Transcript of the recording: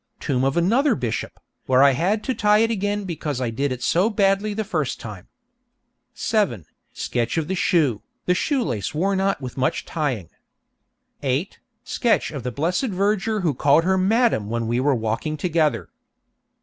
Tomb of another bishop, where I had to tie it again because I did it so badly the first time. 7. Sketch of the shoe, the shoe lace worn out with much tying. 8. Sketch of the blessed verger who called her 'Madam' when we were walking together.